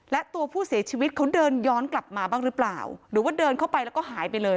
และตัวผู้เสียชีวิตเขาเดินย้อนกลับมาบ้างหรือเปล่าหรือว่าเดินเข้าไปแล้วก็หายไปเลย